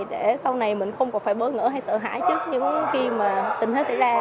để sau này mình không còn phải bỡ ngỡ hay sợ hãi trước những khi mà tình hết xảy ra